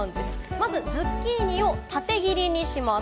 まずズッキーニを縦切りにします。